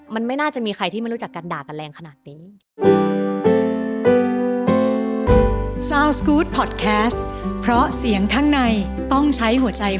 มันไม่น่าจะมีใครที่ไม่รู้จักกันด่ากันแรงขนาดนี้